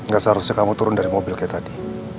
gak seharusnya kamu turun dari mobil kayak tadi